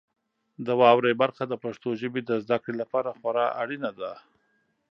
د واورئ برخه د پښتو ژبې د زده کړې لپاره خورا اړینه ده.